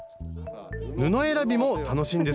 布選びも楽しいんですよね